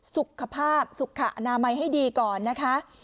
สุขภาพสุขอนามัยให้ดีก่อนนะคะ